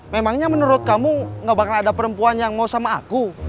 memangnya menurut kamu gak bakal ada perempuan yang mau sama aku